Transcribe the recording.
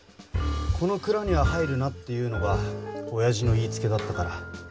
「この蔵には入るな」っていうのがおやじの言いつけだったから。